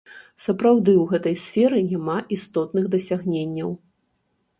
Сапраўды ў гэтай сферы няма істотных дасягненняў?